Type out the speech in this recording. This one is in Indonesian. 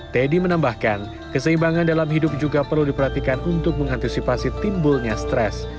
teddy menambahkan keseimbangan dalam hidup juga perlu diperhatikan untuk mengantisipasi timbulnya stres